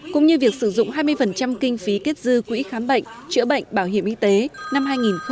cũng như việc sử dụng hai mươi kinh phí kết dư quỹ khám bệnh chữa bệnh bảo hiểm y tế năm hai nghìn một mươi năm